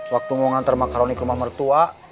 waktu mau ngantar makaroni ke rumah mertua